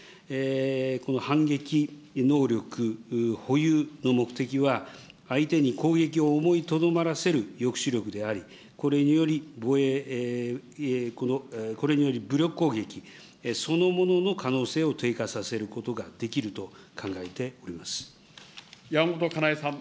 この反撃能力保有の目的は、相手に攻撃を思いとどまらせる抑止力であり、これにより武力攻撃そのものの可能性を低下させることができると山本香苗さん。